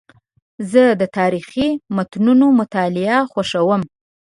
زه د تاریخي متونو مطالعه خوښوم.